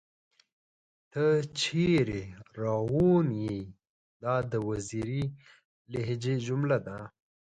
تۀ چېرې راوون ئې ؟ دا د وزيري لهجې جمله ده